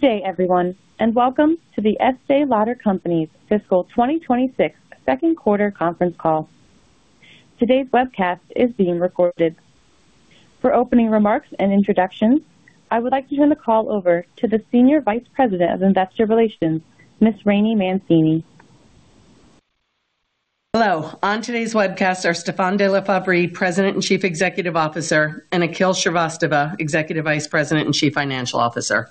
Good day, everyone, and welcome to the Estée Lauder Companies Fiscal 2026 second quarter conference call. Today's webcast is being recorded. For opening remarks and introductions, I would like to turn the call over to the Senior Vice President of Investor Relations, Miss Rainey Mancini. Hello. On today's webcast are Stéphane de La Faverie, President and Chief Executive Officer, and Akhil Shrivastava, Executive Vice President and Chief Financial Officer.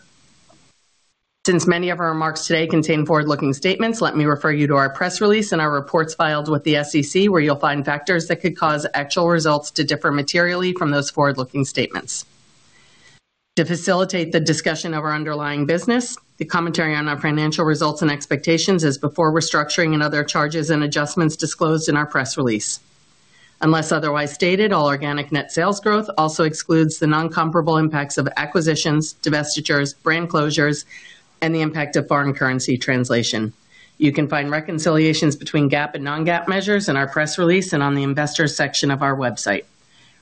Since many of our remarks today contain forward-looking statements, let me refer you to our press release and our reports filed with the SEC, where you'll find factors that could cause actual results to differ materially from those forward-looking statements. To facilitate the discussion of our underlying business, the commentary on our financial results and expectations is before restructuring and other charges and adjustments disclosed in our press release. Unless otherwise stated, all organic net sales growth also excludes the non-comparable impacts of acquisitions, divestitures, brand closures, and the impact of foreign currency translation. You can find reconciliations between GAAP and non-GAAP measures in our press release and on the investors section of our website.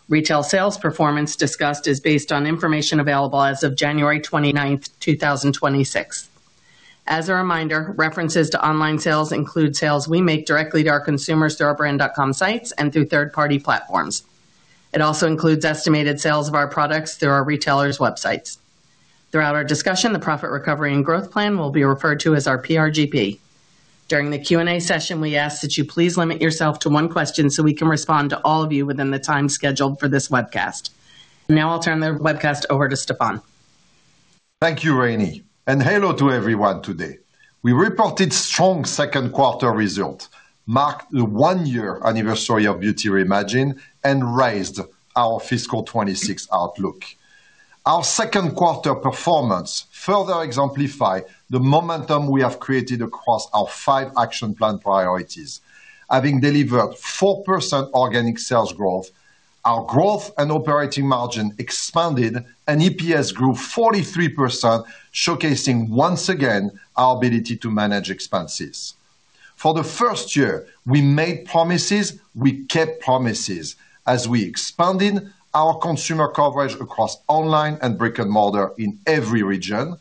Retail sales performance discussed is based on information available as of January 29, 2026. As a reminder, references to online sales include sales we make directly to our consumers, through our brand.com sites and through third-party platforms. It also includes estimated sales of our products through our retailers' websites. Throughout our discussion, the Profit Recovery and Growth Plan will be referred to as our PRGP. During the Q&A session, we ask that you please limit yourself to one question, so we can respond to all of you within the time scheduled for this webcast. Now I'll turn the webcast over to Stéphane. Thank you, Rainey, and hello to everyone today. We reported strong second quarter results, marked the one-year anniversary of Beauty Reimagined, and raised our fiscal 2026 outlook. Our second quarter performance further exemplifies the momentum we have created across our five action plan priorities, having delivered 4% organic sales growth. Our growth and operating margin expanded, and EPS grew 43%, showcasing once again our ability to manage expenses. For the first year, we made promises, we kept promises as we expanded our consumer coverage across online and brick-and-mortar in every region,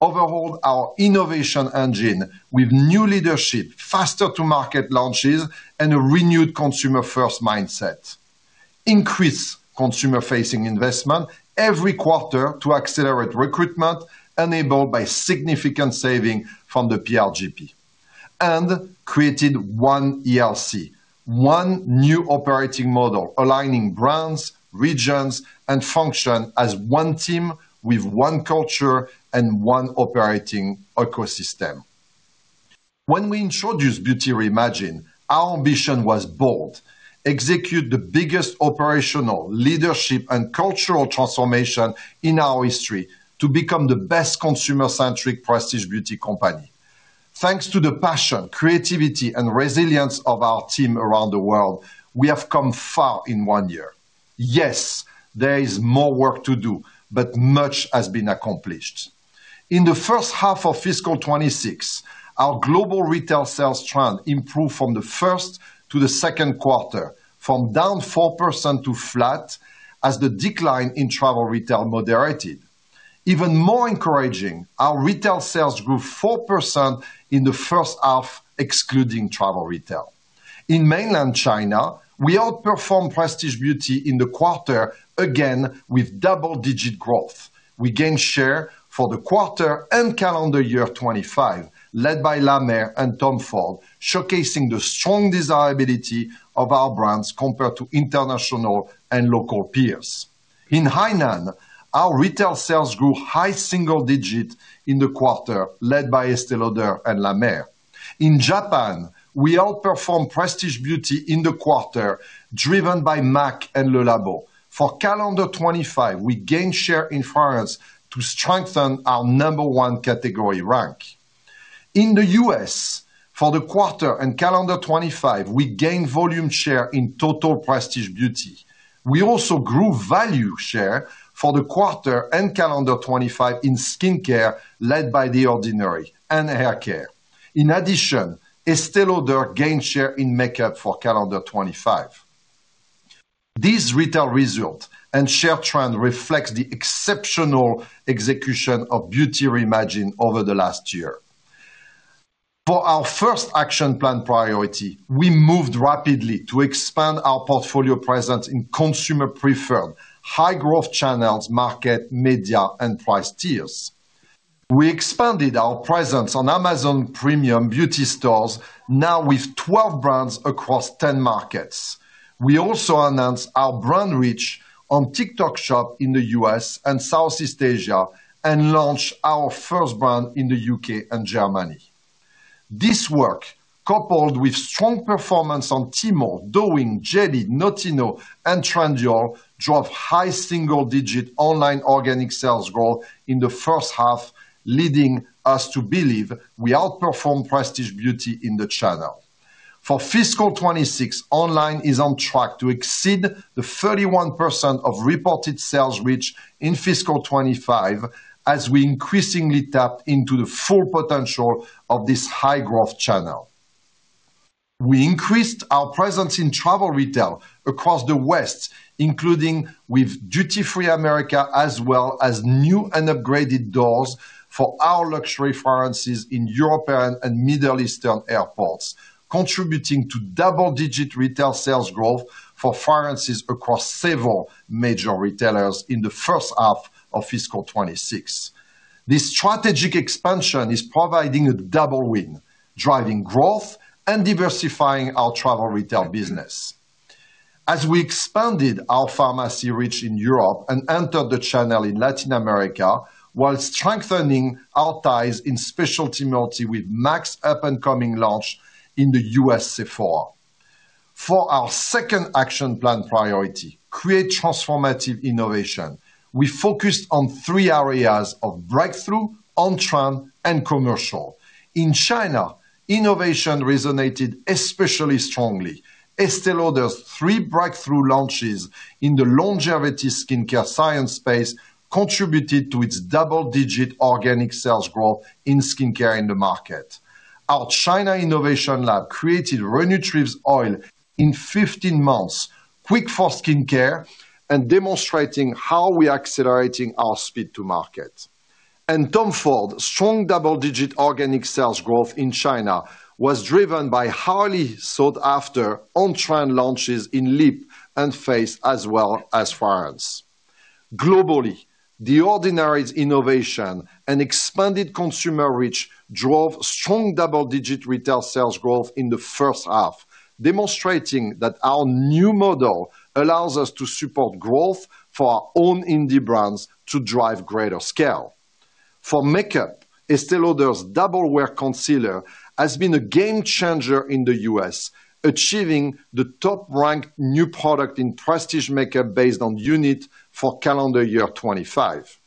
overhauled our innovation engine with new leadership, faster to market launches, and a renewed consumer-first mindset. We increased consumer-facing investment every quarter to accelerate recruitment, enabled by significant savings from the PRGP, and created One ELC, one new operating model, aligning brands, regions, and functions as one team with one culture and one operating ecosystem. When we introduced Beauty Reimagined, our ambition was bold: execute the biggest operational, leadership, and cultural transformation in our history to become the best consumer-centric prestige beauty company. Thanks to the passion, creativity, and resilience of our team around the world, we have come far in one year. Yes, there is more work to do, but much has been accomplished. In the first half of fiscal 2026, our global retail sales trend improved from the first to the second quarter, from down 4% to flat, as the decline in travel retail moderated. Even more encouraging, our retail sales grew 4% in the first half, excluding travel retail. In Mainland China, we outperformed prestige beauty in the quarter, again, with double-digit growth. We gained share for the quarter and calendar year 2025, led by La Mer and TOM FORD, showcasing the strong desirability of our brands compared to international and local peers. In Hainan, our retail sales grew high single digit in the quarter, led by Estée Lauder and La Mer. In Japan, we outperformed prestige beauty in the quarter, driven by MAC and Le Labo. For calendar 2025, we gained share in France to strengthen our number one category rank. In the U.S., for the quarter and calendar 2025, we gained volume share in total prestige beauty. We also grew value share for the quarter and calendar 2025 in skincare, led by The Ordinary and haircare. In addition, Estée Lauder gained share in makeup for calendar 2025. These retail results and share trend reflect the exceptional execution of Beauty Reimagined over the last year. For our first action plan priority, we moved rapidly to expand our portfolio presence in consumer-preferred, high-growth channels, market, media, and price tiers. We expanded our presence on Amazon Premium Beauty Stores, now with 12 brands across 10 markets. We also announced our brand reach on TikTok Shop in the U.S. and Southeast Asia, and launched our first brand in the U.K. and Germany. This work, coupled with strong performance on Temu, Douyin, JD, Notino, and Tmall Global, drove high single-digit online organic sales growth in the first half, leading us to believe we outperformed prestige beauty in the channel. For Fiscal 2026, online is on track to exceed the 31% of reported sales reach in Fiscal 2025, as we increasingly tap into the full potential of this high-growth channel. We increased our presence in travel retail across the West, including with Duty Free Americas, as well as new and upgraded doors for our luxury fragrances in European and Middle Eastern airports, contributing to double-digit retail sales growth for fragrances across several major retailers in the first half of fiscal 2026. This strategic expansion is providing a double win, driving growth and diversifying our travel retail business. As we expanded our pharmacy reach in Europe and entered the channel in Latin America, while strengthening our ties in specialty multi with MAC's up-and-coming launch in the U.S. Sephora. For our second action plan priority, create transformative innovation, we focused on three areas of breakthrough, on-trend, and commercial. In China, innovation resonated especially strongly. Estée Lauder's three breakthrough launches in the longevity skincare science space contributed to its double-digit organic sales growth in skincare in the market. Our China innovation lab created Re-Nutriv's oil in 15 months, quick for skincare, and demonstrating how we are accelerating our speed to market. TOM FORD, strong double-digit organic sales growth in China was driven by highly sought after on-trend launches in lip and face, as well as fragrance. Globally, The Ordinary's innovation and expanded consumer reach drove strong double-digit retail sales growth in the first half, demonstrating that our new model allows us to support growth for our own indie brands to drive greater scale. For makeup, Estée Lauder's Double Wear concealer has been a game changer in the U.S., achieving the top-ranked new product in prestige makeup based on unit for calendar year 2025.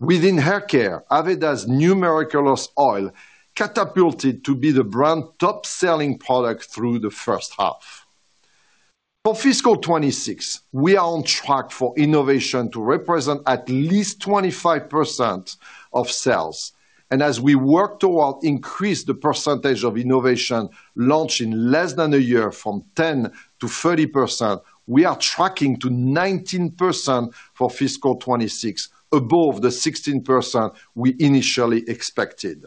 Within haircare, Aveda's new Miraculous Oil catapulted to be the brand top-selling product through the first half. For fiscal 2026, we are on track for innovation to represent at least 25% of sales, and as we work toward increase the percentage of innovation launched in less than a year from 10%-30%, we are tracking to 19% for fiscal 2026, above the 16% we initially expected.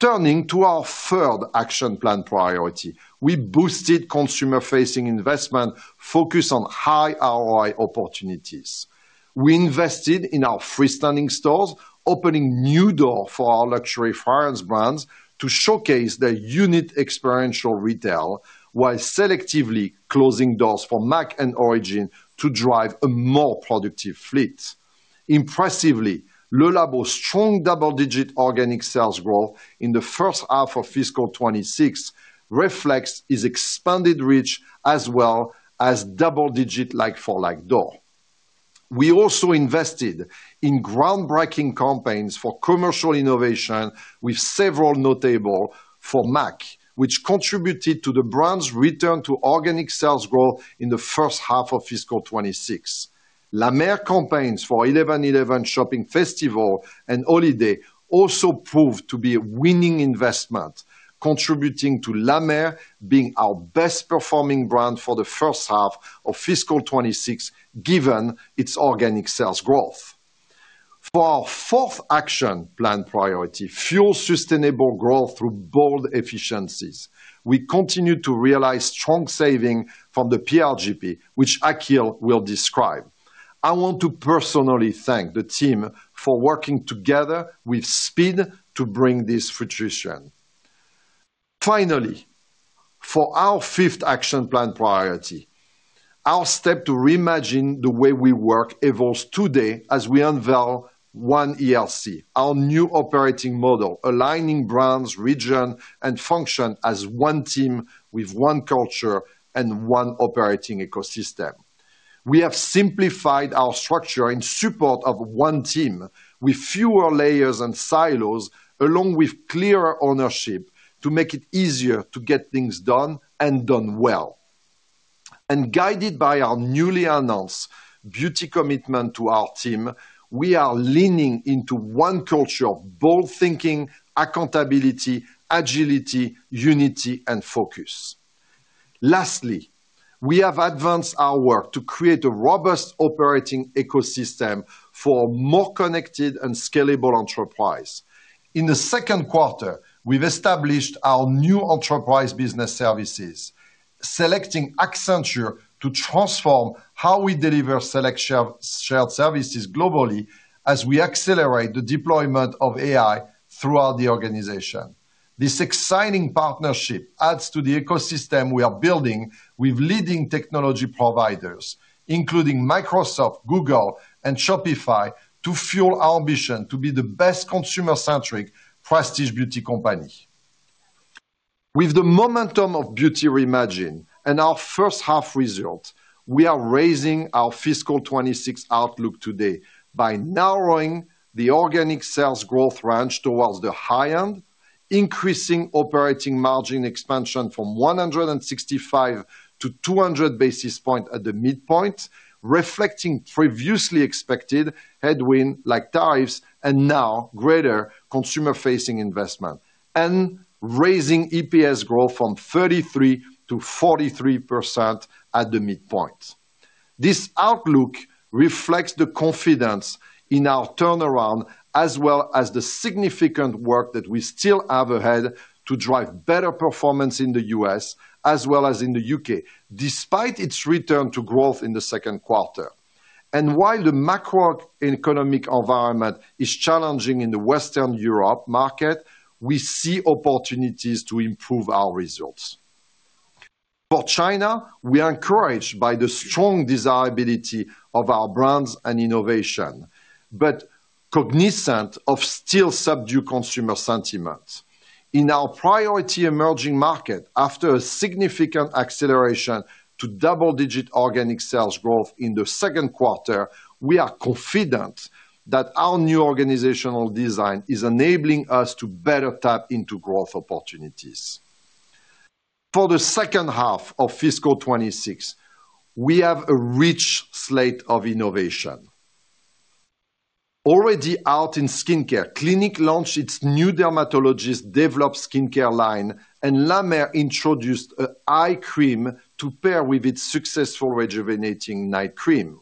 Turning to our third action plan priority, we boosted consumer-facing investment focused on high ROI opportunities. We invested in our freestanding stores, opening new doors for our luxury fragrance brands to showcase their unique experiential retail, while selectively closing doors for MAC and Origins to drive a more productive fleet. Impressively, Le Labo's strong double-digit organic sales growth in the first half of fiscal 2026 reflects its expanded reach, as well as double-digit like-for-like doors. We also invested in groundbreaking campaigns for commercial innovation, with several notable for MAC, which contributed to the brand's return to organic sales growth in the first half of fiscal 2026. La Mer campaigns for 11.11 Shopping Festival and holiday also proved to be a winning investment, contributing to La Mer being our best performing brand for the first half of fiscal 2026, given its organic sales growth. For our fourth action plan priority, fuel sustainable growth through bold efficiencies. We continue to realize strong savings from the PRGP, which Akhil will describe. I want to personally thank the team for working together with speed to bring this to fruition. Finally, for our fifth action plan priority, our step to reimagine the way we work evolves today as we unveil One ELC, our new operating model, aligning brands, region, and function as one team with one culture and one operating ecosystem. We have simplified our structure in support of one team with fewer layers and silos, along with clearer ownership, to make it easier to get things done and done well. Guided by our newly announced beauty commitment to our team, we are leaning into one culture of bold thinking, accountability, agility, unity, and focus. Lastly, we have advanced our work to create a robust operating ecosystem for a more connected and scalable enterprise. In the second quarter, we've established our new enterprise business services, selecting Accenture to transform how we deliver select shared services globally as we accelerate the deployment of AI throughout the organization. This exciting partnership adds to the ecosystem we are building with leading technology providers, including Microsoft, Google, and Shopify, to fuel our ambition to be the best consumer-centric prestige beauty company. With the momentum of Beauty Reimagined and our first half results, we are raising our fiscal 2026 outlook today by narrowing the organic sales growth range towards the high end, increasing operating margin expansion from 165-200 basis points at the midpoint, reflecting previously expected headwind, like tariffs, and now greater consumer-facing investment, and raising EPS growth from 33%-43% at the midpoint. This outlook reflects the confidence in our turnaround, as well as the significant work that we still have ahead to drive better performance in the U.S. as well as in the U.K., despite its return to growth in the second quarter. While the macroeconomic environment is challenging in the Western Europe market, we see opportunities to improve our results. For China, we are encouraged by the strong desirability of our brands and innovation, but cognizant of still subdued consumer sentiment. In our priority emerging market, after a significant acceleration to double-digit organic sales growth in the second quarter, we are confident that our new organizational design is enabling us to better tap into growth opportunities. For the second half of fiscal 2026, we have a rich slate of innovation. Already out in skincare, Clinique launched its new dermatologist-developed skincare line, and La Mer introduced an eye cream to pair with its successful Rejuvenating Night Cream.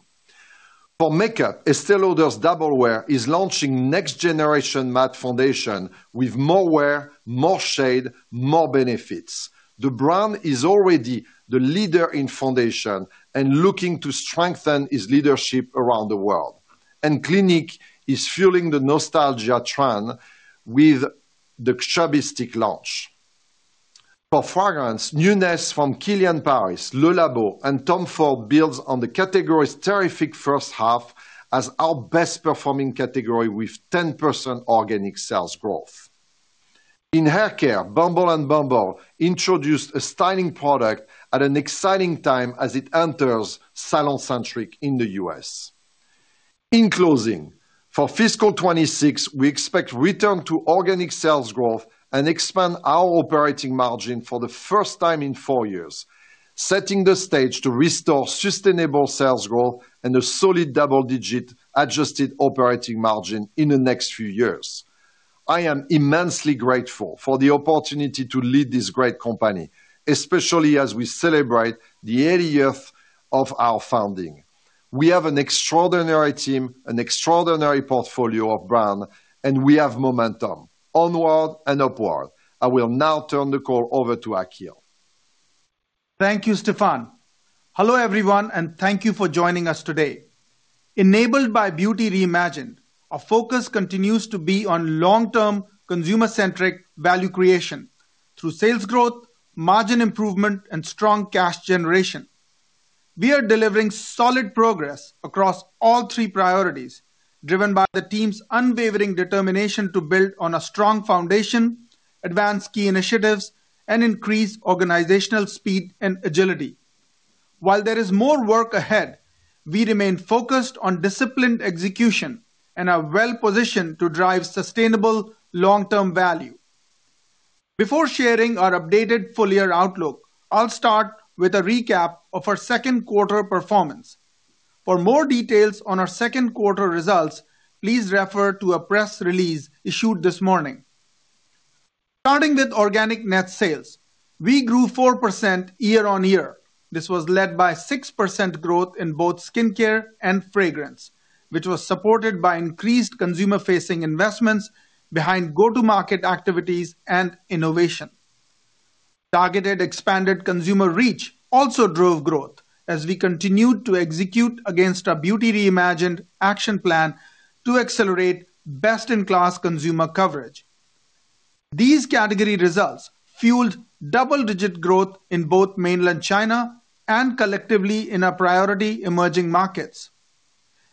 For makeup, Estée Lauder's Double Wear is launching next-generation matte foundation with more wear, more shade, more benefits. The brand is already the leader in foundation and looking to strengthen its leadership around the world. Clinique is fueling the nostalgia trend with the Chubby Stick launch. For fragrance, newness from KILIAN PARIS, Le Labo, and TOM FORD builds on the category's terrific first half as our best-performing category with 10% organic sales growth. In haircare, Bumble and bumble introduced a styling product at an exciting time as it enters SalonCentric in the U.S. In closing, for fiscal 2026, we expect return to organic sales growth and expand our operating margin for the first time in four years, setting the stage to restore sustainable sales growth and a solid double-digit adjusted operating margin in the next few years. I am immensely grateful for the opportunity to lead this great company, especially as we celebrate the eightieth of our founding. We have an extraordinary team, an extraordinary portfolio of brand, and we have momentum onward and upward. I will now turn the call over to Akhil. Thank you, Stéphane. Hello, everyone, and thank you for joining us today. Enabled by Beauty Reimagined, our focus continues to be on long-term, consumer-centric value creation through sales growth, margin improvement, and strong cash generation. We are delivering solid progress across all three priorities, driven by the team's unwavering determination to build on a strong foundation, advance key initiatives, and increase organizational speed and agility. While there is more work ahead, we remain focused on disciplined execution and are well-positioned to drive sustainable long-term value. Before sharing our updated full-year outlook, I'll start with a recap of our second quarter performance. For more details on our second quarter results, please refer to a press release issued this morning. Starting with organic net sales, we grew 4% year-over-year. This was led by 6% growth in both skincare and fragrance, which was supported by increased consumer-facing investments behind go-to-market activities and innovation. Targeted expanded consumer reach also drove growth as we continued to execute against our Beauty Reimagined action plan to accelerate best-in-class consumer coverage. These category results fueled double-digit growth in both mainland China and collectively in our priority emerging markets.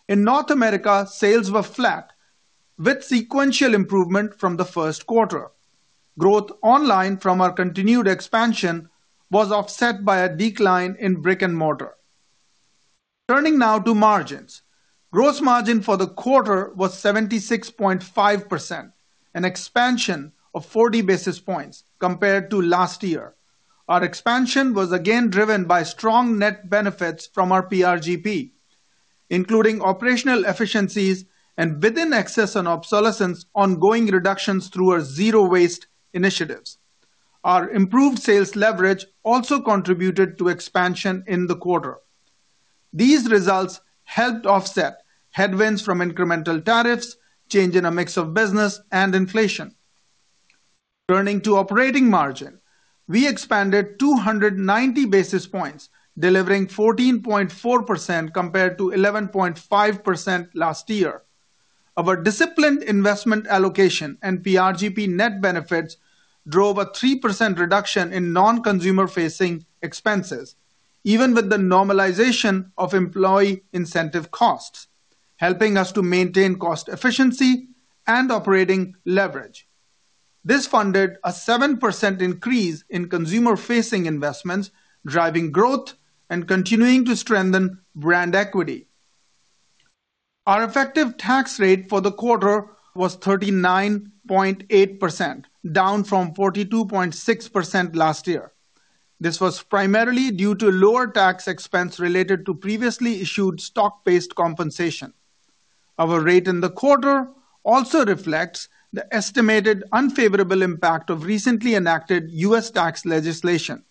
In North America, sales were flat, with sequential improvement from the first quarter. Growth online from our continued expansion was offset by a decline in brick-and-mortar. Turning now to margins. Gross margin for the quarter was 76.5%, an expansion of 40 basis points compared to last year. Our expansion was again driven by strong net benefits from our PRGP, including operational efficiencies and within excess and obsolescence, ongoing reductions through our zero-waste initiatives. Our improved sales leverage also contributed to expansion in the quarter. These results helped offset headwinds from incremental tariffs, change in a mix of business, and inflation. Turning to operating margin, we expanded 290 basis points, delivering 14.4% compared to 11.5% last year. Our disciplined investment allocation and PRGP net benefits drove a 3% reduction in non-consumer-facing expenses, even with the normalization of employee incentive costs, helping us to maintain cost efficiency and operating leverage. This funded a 7% increase in consumer-facing investments, driving growth and continuing to strengthen brand equity. Our effective tax rate for the quarter was 39.8%, down from 42.6% last year. This was primarily due to lower tax expense related to previously issued stock-based compensation. Our rate in the quarter also reflects the estimated unfavorable impact of recently enacted U.S. tax legislation,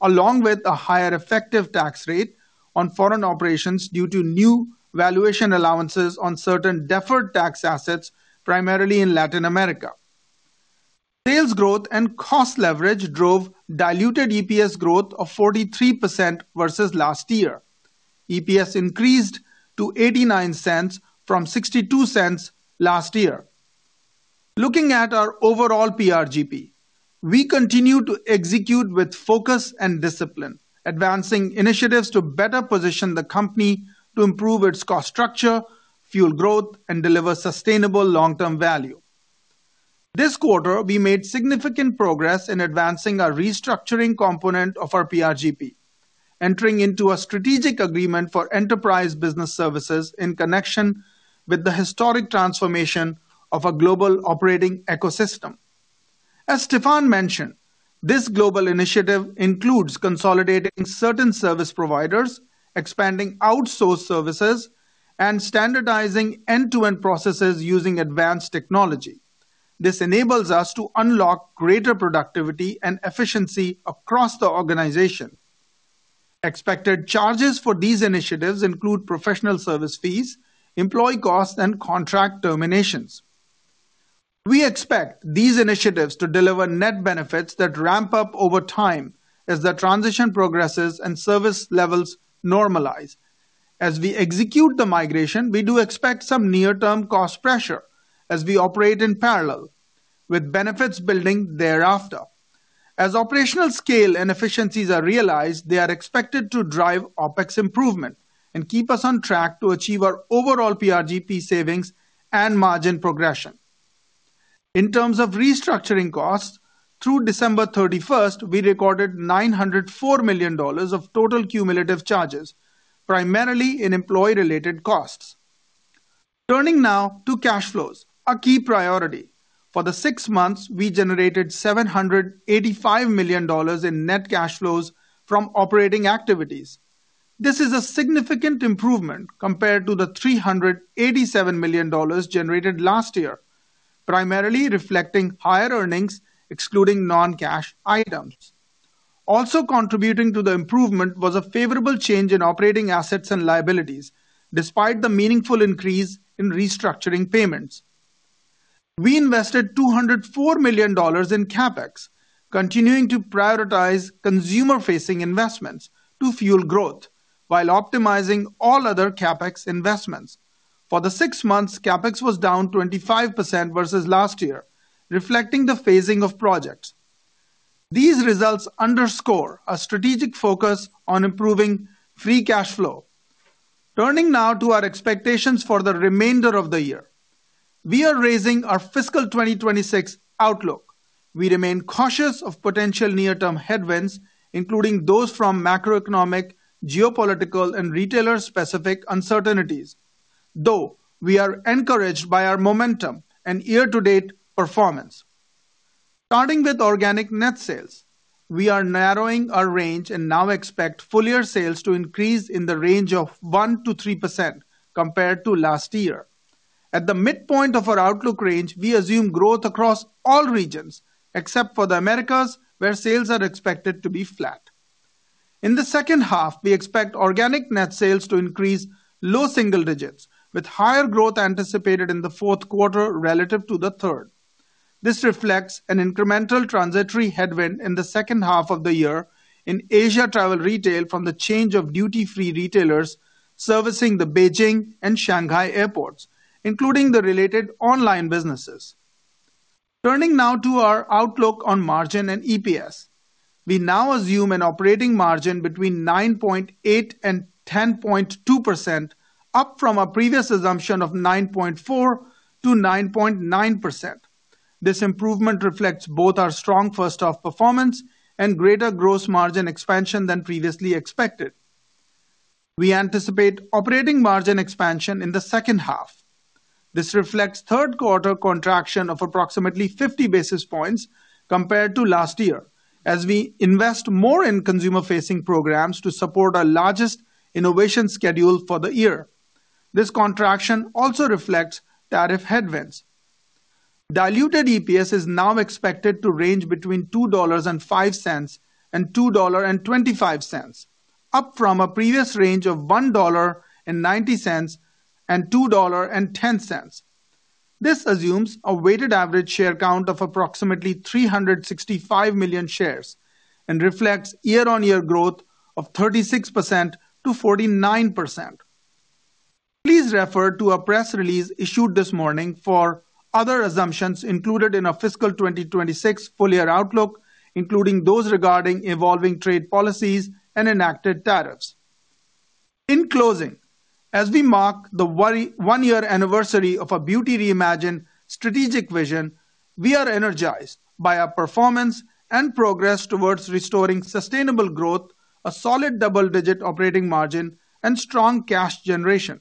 along with a higher effective tax rate on foreign operations due to new valuation allowances on certain deferred tax assets, primarily in Latin America. Sales growth and cost leverage drove diluted EPS growth of 43% versus last year. EPS increased to $0.89 from $0.62 last year. Looking at our overall PRGP, we continue to execute with focus and discipline, advancing initiatives to better position the company to improve its cost structure, fuel growth, and deliver sustainable long-term value. This quarter, we made significant progress in advancing our restructuring component of our PRGP, entering into a strategic agreement for enterprise business services in connection with the historic transformation of a global operating ecosystem. As Stéphane mentioned, this global initiative includes consolidating certain service providers, expanding outsourced services, and standardizing end-to-end processes using advanced technology. This enables us to unlock greater productivity and efficiency across the organization. Expected charges for these initiatives include professional service fees, employee costs, and contract terminations. We expect these initiatives to deliver net benefits that ramp up over time as the transition progresses and service levels normalize. As we execute the migration, we do expect some near-term cost pressure as we operate in parallel, with benefits building thereafter. As operational scale and efficiencies are realized, they are expected to drive OpEx improvement and keep us on track to achieve our overall PRGP savings and margin progression. In terms of restructuring costs, through December 31, we recorded $904 million of total cumulative charges, primarily in employee-related costs. Turning now to cash flows, a key priority. For the six months, we generated $785 million in net cash flows from operating activities. This is a significant improvement compared to the $387 million generated last year, primarily reflecting higher earnings, excluding non-cash items. Also contributing to the improvement was a favorable change in operating assets and liabilities, despite the meaningful increase in restructuring payments. We invested $204 million in CapEx, continuing to prioritize consumer-facing investments to fuel growth while optimizing all other CapEx investments. For the six months, CapEx was down 25% versus last year, reflecting the phasing of projects. These results underscore a strategic focus on improving free cash flow. Turning now to our expectations for the remainder of the year. We are raising our fiscal 2026 outlook. We remain cautious of potential near-term headwinds, including those from macroeconomic, geopolitical, and retailer-specific uncertainties, though we are encouraged by our momentum and year-to-date performance. Starting with organic net sales, we are narrowing our range and now expect full-year sales to increase in the range of 1%-3% compared to last year. At the midpoint of our outlook range, we assume growth across all regions, except for the Americas, where sales are expected to be flat. In the second half, we expect organic net sales to increase low single digits, with higher growth anticipated in the fourth quarter relative to the third. This reflects an incremental transitory headwind in the second half of the year in Asia travel retail from the change of duty-free retailers servicing the Beijing and Shanghai airports, including the related online businesses. Turning now to our outlook on margin and EPS. We now assume an operating margin between 9.8%-10.2%, up from our previous assumption of 9.4%-9.9%. This improvement reflects both our strong first half performance and greater gross margin expansion than previously expected. We anticipate operating margin expansion in the second half. This reflects third quarter contraction of approximately 50 basis points compared to last year, as we invest more in consumer-facing programs to support our largest innovation schedule for the year. This contraction also reflects tariff headwinds. Diluted EPS is now expected to range between $2.05 and $2.25, up from a previous range of $1.90 and $2.10. This assumes a weighted average share count of approximately 365 million shares and reflects year-on-year growth of 36%-49%. Please refer to a press release issued this morning for other assumptions included in our fiscal 2026 full-year outlook, including those regarding evolving trade policies and enacted tariffs. In closing, as we mark our one-year anniversary of Beauty Reimagined strategic vision, we are energized by our performance and progress towards restoring sustainable growth, a solid double-digit operating margin, and strong cash generation.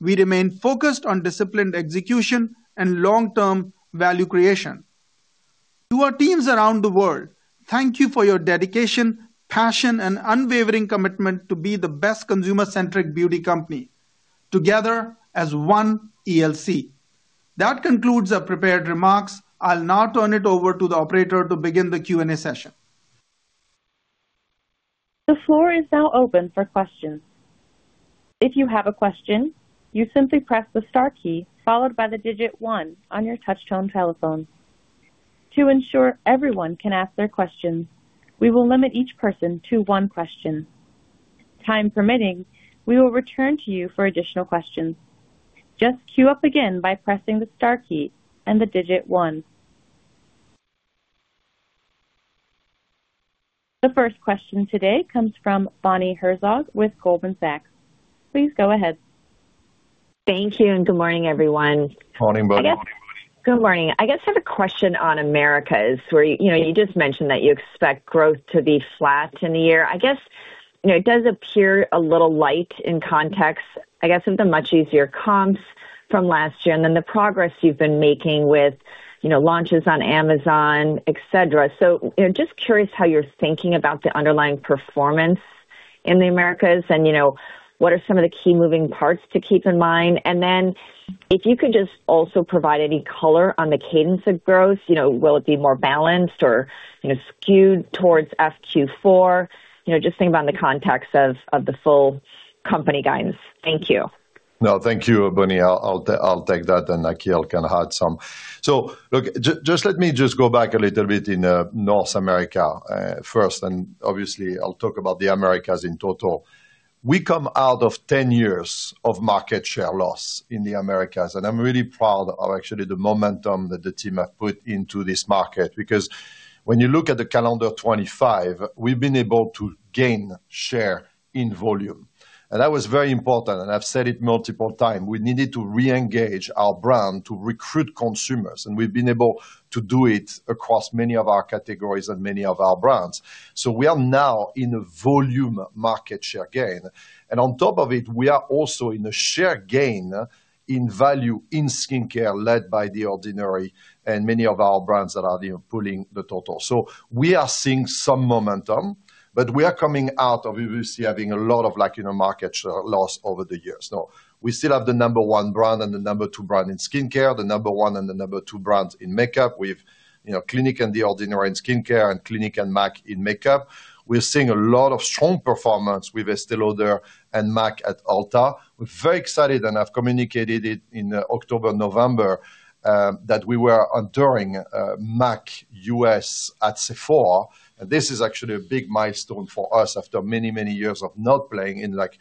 We remain focused on disciplined execution and long-term value creation.... To our teams around the world, thank you for your dedication, passion, and unwavering commitment to be the best consumer-centric beauty company together as One ELC. That concludes our prepared remarks. I'll now turn it over to the operator to begin the Q&A session. The floor is now open for questions. If you have a question, you simply press the star key followed by the digit one on your touchtone telephone. To ensure everyone can ask their questions, we will limit each person to one question. Time permitting, we will return to you for additional questions. Just queue up again by pressing the star key and the digit one. The first question today comes from Bonnie Herzog with Goldman Sachs. Please go ahead. Thank you, and good morning, everyone. Morning, Bonnie. Good morning. I guess I have a question on Americas, where, you know, you just mentioned that you expect growth to be flat in the year. I guess, you know, it does appear a little light in context, I guess, of the much easier comps from last year, and then the progress you've been making with, you know, launches on Amazon, et cetera. So, you know, just curious how you're thinking about the underlying performance in the Americas and, you know, what are some of the key moving parts to keep in mind? And then if you could just also provide any color on the cadence of growth, you know, will it be more balanced or, you know, skewed towards FQ4? You know, just thinking about the context of, of the full company guidance. Thank you. No, thank you, Bonnie. I'll take that, and Akhil can add some. So look, just let me just go back a little bit in North America first, and obviously, I'll talk about the Americas in total. We come out of ten years of market share loss in the Americas, and I'm really proud of actually the momentum that the team have put into this market. Because when you look at the calendar 2025, we've been able to gain share in volume. And that was very important, and I've said it multiple times. We needed to reengage our brand to recruit consumers, and we've been able to do it across many of our categories and many of our brands. So we are now in a volume market share gain, and on top of it, we are also in a share gain in value in skincare, led by The Ordinary and many of our brands that are pulling the total. So we are seeing some momentum, but we are coming out of, obviously, having a lot of like, you know, market share loss over the years. Now, we still have the number one brand and the number two brand in skincare, the number one and the number two brands in makeup. We've, you know, Clinique and The Ordinary in skincare and Clinique and MAC in makeup. We're seeing a lot of strong performance with Estée Lauder and MAC at Ulta. We're very excited, and I've communicated it in October, November, that we were on during MAC U.S. at Sephora. This is actually a big milestone for us after many, many years of not playing in, like,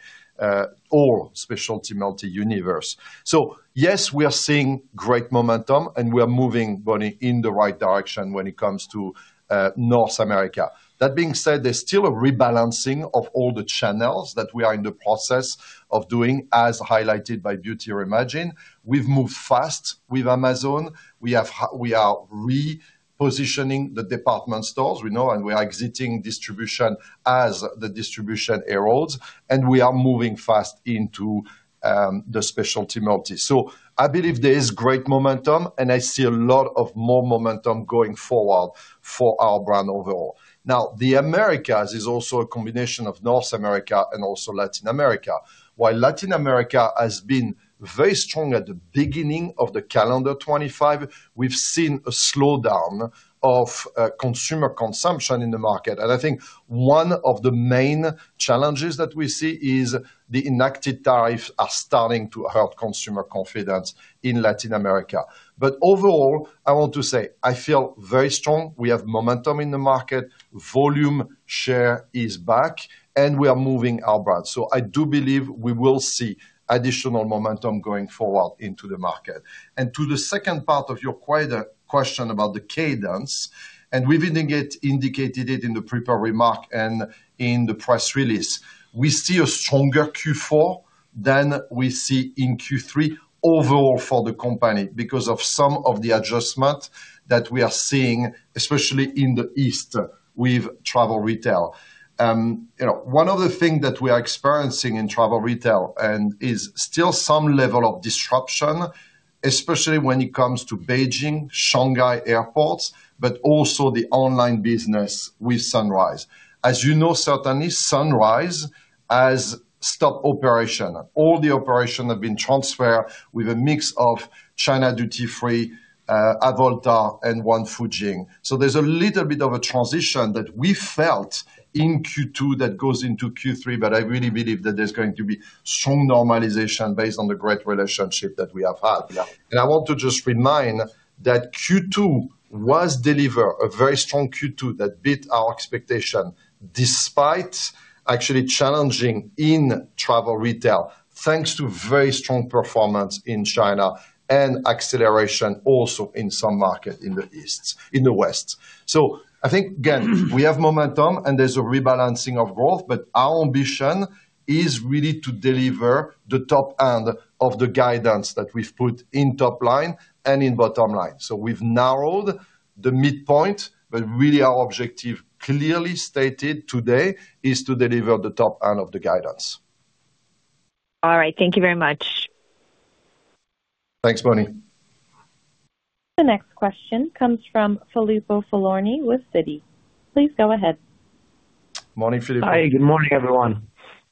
all specialty multi. So yes, we are seeing great momentum, and we are moving, Bonnie, in the right direction when it comes to North America. That being said, there's still a rebalancing of all the channels that we are in the process of doing, as highlighted by Beauty Reimagined. We've moved fast with Amazon. We are repositioning the department stores, you know, and we are exiting distribution as the distribution erodes, and we are moving fast into the specialty multi. So I believe there is great momentum, and I see a lot more momentum going forward for our brand overall. Now, the Americas is also a combination of North America and also Latin America. While Latin America has been very strong at the beginning of the calendar 2025, we've seen a slowdown of consumer consumption in the market. I think one of the main challenges that we see is the enacted tariffs are starting to hurt consumer confidence in Latin America. But overall, I want to say I feel very strong. We have momentum in the market, volume share is back, and we are moving our brands. So I do believe we will see additional momentum going forward into the market. To the second part of your question about the cadence, we've indicated it in the prepared remark and in the press release. We see a stronger Q4 than we see in Q3 overall for the company, because of some of the adjustment that we are seeing, especially in the East, with Travel Retail. You know, one of the things that we are experiencing in travel retail and is still some level of disruption, especially when it comes to Beijing, Shanghai airports, but also the online business with Sunrise. As you know, certainly, Sunrise has stopped operation. All the operation have been transferred with a mix of China Duty Free, Avolta and Wangfujing. So there's a little bit of a transition that we felt in Q2 that goes into Q3, but I really believe that there's going to be strong normalization based on the great relationship that we have had. And I want to just remind that Q2 was delivered a very strong Q2 that beat our expectation, despite actually challenging in travel retail, thanks to very strong performance in China and acceleration also in some markets in the East, in the West. I think, again, we have momentum, and there's a rebalancing of growth, but our ambition is really to deliver the top end of the guidance that we've put in top line and in bottom line. We've narrowed the midpoint, but really our objective, clearly stated today, is to deliver the top end of the guidance. All right. Thank you very much. Thanks, Bonnie. The next question comes from Filippo Falorni with Citi. Please go ahead. Morning, Filippo. Hi, good morning, everyone.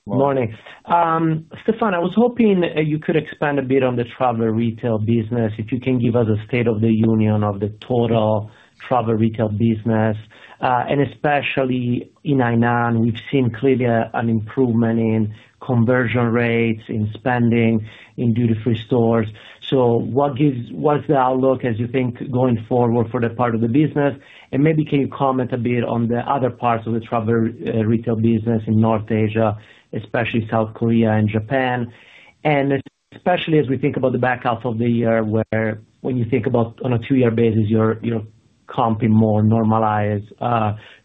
Morning. Stéphane, I was hoping you could expand a bit on the travel retail business, if you can give us a state of the union of the total travel retail business, and especially in Hainan, we've seen clearly an improvement in conversion rates, in spending, in duty-free stores. So what gives? What's the outlook, as you think, going forward for that part of the business? And maybe can you comment a bit on the other parts of the travel retail business in North Asia, especially South Korea and Japan? And especially as we think about the back half of the year, where when you think about on a two-year basis, your, your comping more normalized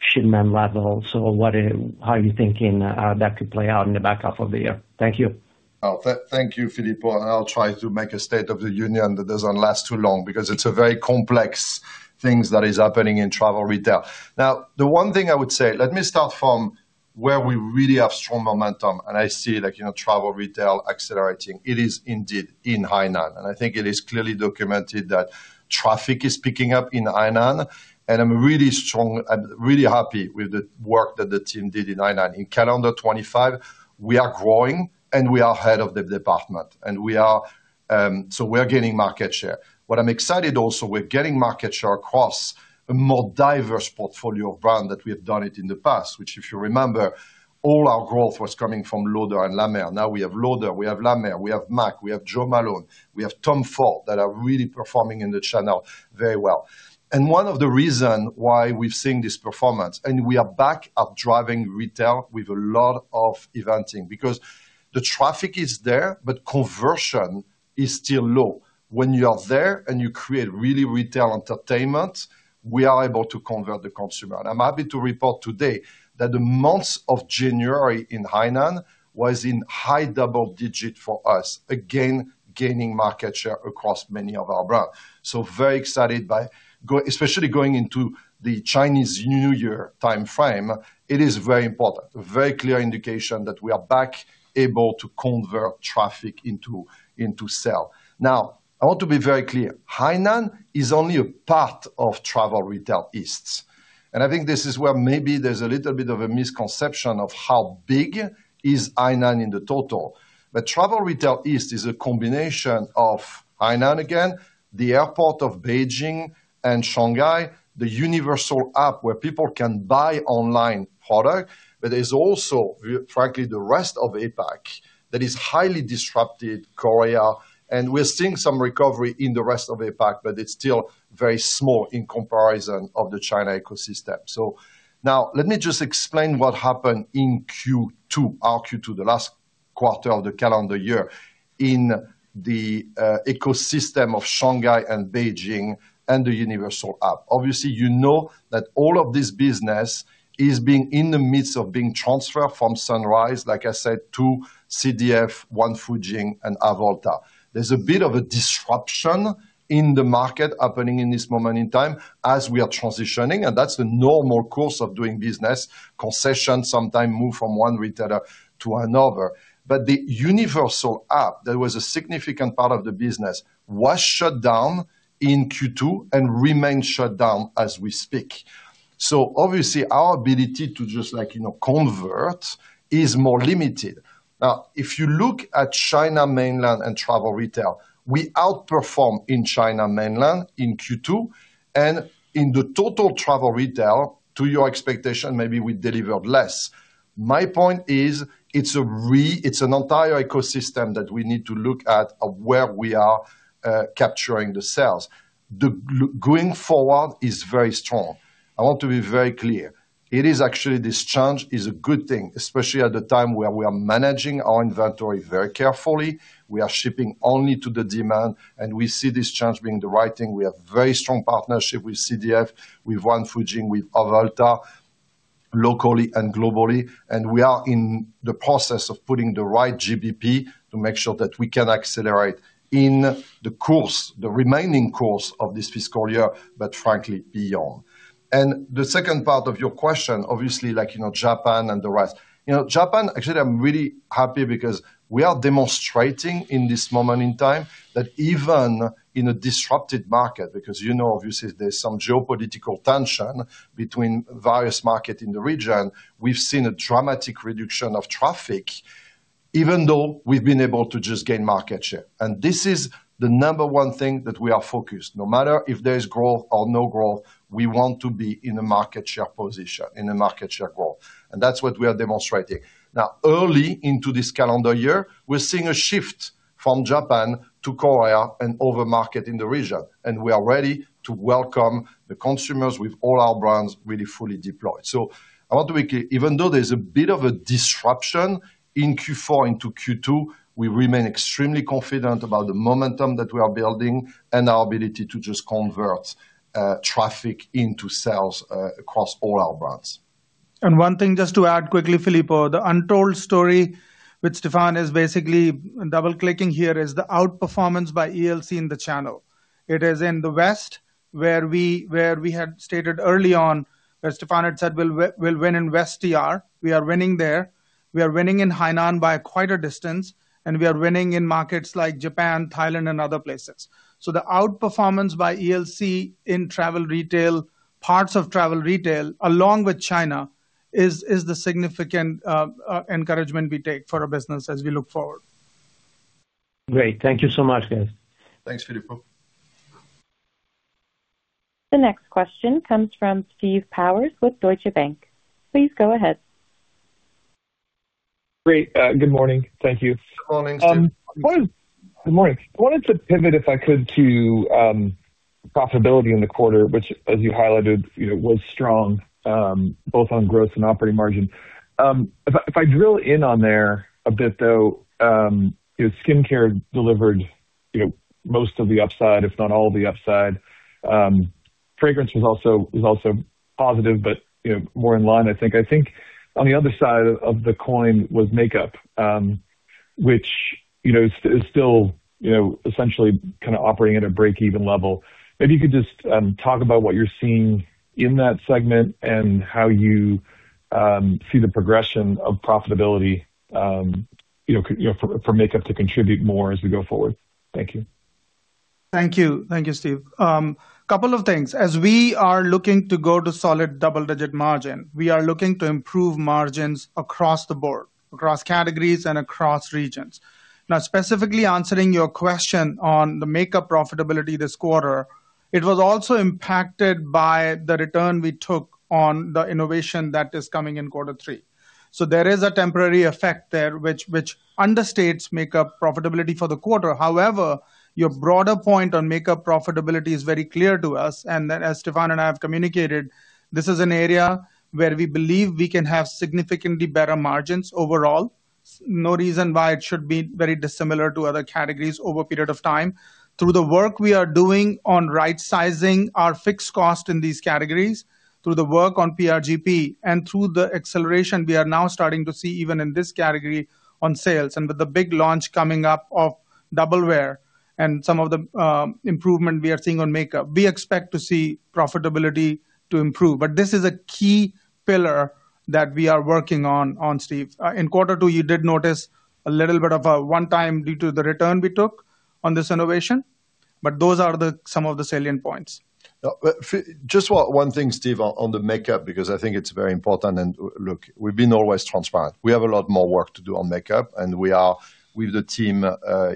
shipment levels, so what are, how are you thinking that could play out in the back half of the year? Thank you. Oh, thank you, Filippo, and I'll try to make a state of the union that doesn't last too long, because it's a very complex things that is happening in travel retail. Now, the one thing I would say, let me start from where we really have strong momentum, and I see, like, you know, travel retail accelerating. It is indeed in Hainan, and I think it is clearly documented that traffic is picking up in Hainan, and I'm really happy with the work that the team did in Hainan. In calendar 2025, we are growing, and we are ahead of the department, and we are. So we are gaining market share. What I'm excited also, we're getting market share across a more diverse portfolio of brand that we have done it in the past, which, if you remember, all our growth was coming from Lauder and La Mer. Now we have Lauder, we have La Mer, we have MAC, we have Jo Malone, we have TOM FORD, that are really performing in the channel very well. And one of the reason why we've seen this performance, and we are back up driving retail with a lot of eventing, because the traffic is there, but conversion is still low. When you are there and you create really retail entertainment, we are able to convert the consumer. And I'm happy to report today that the months of January in Hainan was in high double digit for us, again, gaining market share across many of our brands. So very excited, especially going into the Chinese New Year time frame, it is very important, very clear indication that we are back able to convert traffic into sale. Now, I want to be very clear, Hainan is only a part of Travel Retail East. And I think this is where maybe there's a little bit of a misconception of how big is Hainan in the total. But Travel Retail East is a combination of Hainan again, the airport of Beijing and Shanghai, the universal app where people can buy online product, but there's also, frankly, the rest of APAC, that is highly disrupted, Korea, and we're seeing some recovery in the rest of APAC, but it's still very small in comparison of the China ecosystem. So now let me just explain what happened in Q2, our Q2, the last quarter of the calendar year, in the ecosystem of Shanghai and Beijing and the universal app. Obviously, you know that all of this business is being in the midst of being transferred from Sunrise, like I said, to CDF, Wangfujing, and Avolta. There's a bit of a disruption in the market happening in this moment in time as we are transitioning, and that's the normal course of doing business. Concessions sometimes move from one retailer to another. But the universal app, that was a significant part of the business, was shut down in Q2 and remains shut down as we speak. So obviously, our ability to just, like, you know, convert is more limited. Now, if you look at China Mainland and travel retail, we outperformed in China Mainland in Q2, and in the total travel retail, to your expectation, maybe we delivered less. My point is, it's an entire ecosystem that we need to look at of where we are capturing the sales. Going forward is very strong. I want to be very clear, it is actually this change is a good thing, especially at the time where we are managing our inventory very carefully. We are shipping only to the demand, and we see this change being the right thing. We have very strong partnership with CDF, with Wangfujing, with Avolta, locally and globally, and we are in the process of putting the right JBP to make sure that we can accelerate in the course, the remaining course of this fiscal year, but frankly, beyond. And the second part of your question, obviously, like, you know, Japan and the rest. You know, Japan, actually, I'm really happy because we are demonstrating in this moment in time that even in a disrupted market, because you know, obviously, there's some geopolitical tension between various markets in the region, we've seen a dramatic reduction of traffic, even though we've been able to just gain market share. And this is the number one thing that we are focused. No matter if there is growth or no growth, we want to be in a market share position, in a market share growth, and that's what we are demonstrating. Now, early into this calendar year, we're seeing a shift from Japan to Korea and other markets in the region, and we are ready to welcome the consumers with all our brands really fully deployed. So I want to be clear, even though there's a bit of a disruption in Q4 into Q2, we remain extremely confident about the momentum that we are building and our ability to just convert traffic into sales across all our brands. And one thing, just to add quickly, Filippo, the untold story with Stephane is basically double-clicking here, is the outperformance by ELC in the channel. It is in the West, where we had stated early on, as Stéphane had said, we'll win in West TR. We are winning there. We are winning in Hainan by quite a distance, and we are winning in markets like Japan, Thailand, and other places. So the outperformance by ELC in travel retail, parts of travel retail, along with China, is the significant encouragement we take for our business as we look forward. Great. Thank you so much, guys. Thanks, Filippo. The next question comes from Steve Powers with Deutsche Bank. Please go ahead. Great. Good morning. Thank you. Good morning, Steve. Good morning. I wanted to pivot, if I could, to profitability in the quarter, which, as you highlighted, you know, was strong both on growth and operating margin. If I drill in on there a bit, though, you know, skincare delivered, you know, most of the upside, if not all of the upside. Fragrance was also positive, but, you know, more in line, I think. I think on the other side of the coin was makeup, which, you know, is still, you know, essentially kind of operating at a break-even level. Maybe you could just talk about what you're seeing in that segment and how you see the progression of profitability, you know, for makeup to contribute more as we go forward. Thank you. Thank you. Thank you, Steve. Couple of things. As we are looking to go to solid double-digit margin, we are looking to improve margins across the board, across categories and across regions. Now, specifically answering your question on the makeup profitability this quarter, it was also impacted by the return we took on the innovation that is coming in quarter three. So there is a temporary effect there, which, which understates makeup profitability for the quarter. However, your broader point on makeup profitability is very clear to us, and that, as Stéphane and I have communicated, this is an area where we believe we can have significantly better margins overall. No reason why it should be very dissimilar to other categories over a period of time. Through the work we are doing on right-sizing our fixed cost in these categories, through the work on PRGP and through the acceleration we are now starting to see even in this category on sales, and with the big launch coming up of Double Wear and some of the, improvement we are seeing on makeup, we expect to see profitability to improve. But this is a key pillar that we are working on, Steve. In quarter two, you did notice a little bit of a one-time due to the return we took on this innovation, but those are some of the salient points. But just one thing, Steve, on the makeup, because I think it's very important, and look, we've been always transparent. We have a lot more work to do on makeup, and we are with the team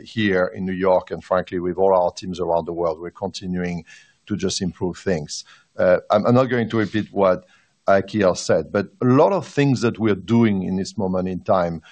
here in New York, and frankly, with all our teams around the world, we're continuing to just improve things. I'm not going to repeat what Akhil said, but a lot of things that we're doing in this moment in time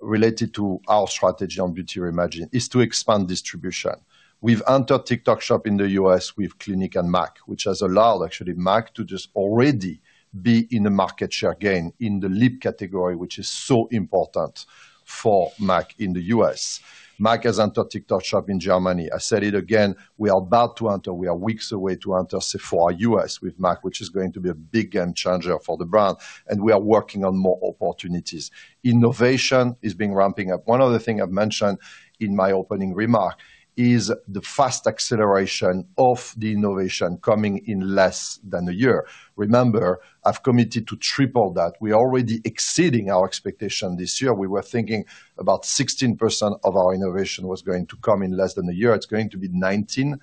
related to our strategy on Beauty Reimagined is to expand distribution. We've entered TikTok Shop in the U.S. with Clinique and MAC, which has allowed actually MAC to just already be in a market share gain in the lip category, which is so important for MAC in the U.S. MAC has entered TikTok Shop in Germany. I said it again, we are about to enter, we are weeks away to enter Sephora U.S. with MAC, which is going to be a big game changer for the brand, and we are working on more opportunities. Innovation is being ramping up. One other thing I've mentioned in my opening remark is the fast acceleration of the innovation coming in less than a year. Remember, I've committed to triple that. We're already exceeding our expectation this year. We were thinking about 16% of our innovation was going to come in less than a year. It's going to be 19%.